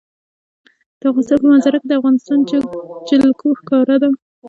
د افغانستان په منظره کې د افغانستان جلکو ښکاره ده.